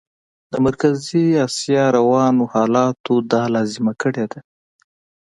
د مرکزي اسیا روانو حالاتو دا لازمه کړې ده.